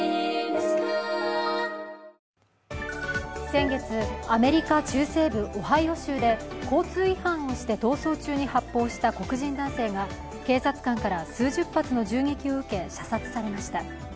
先月、アメリカ・中西部オハイオ州で交通違反をして逃走中に発砲した黒人男性が警察官から数十発の銃撃を受け、射殺されました。